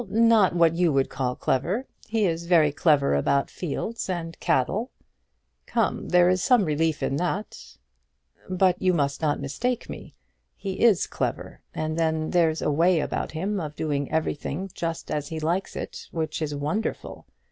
"Well; not what you would call clever. He is very clever about fields and cattle." "Come, there is some relief in that." "But you must not mistake me. He is clever; and then there's a way about him of doing everything just as he likes it, which is wonderful.